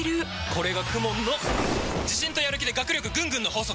これがＫＵＭＯＮの自信とやる気で学力ぐんぐんの法則！